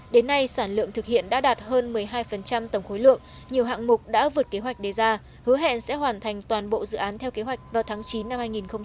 đến nay sản lượng thực hiện đã đạt hơn một mươi hai tổng khối lượng nhiều hạng mục đã vượt kế hoạch đề ra hứa hẹn sẽ hoàn thành toàn bộ dự án theo kế hoạch vào tháng chín năm hai nghìn hai mươi